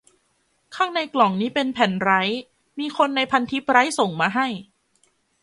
ข้างในกล่องนี่เป็นแผ่นไรต์ มีคนในพันทิปไรต์ส่งมาให้